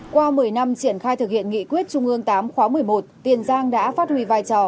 qua một mươi năm triển khai thực hiện nghị quyết trung ương tám khóa một mươi một tiền giang đã phát huy vai trò